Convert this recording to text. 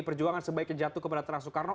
perjuangan sebaiknya jatuh kepada teras soekarno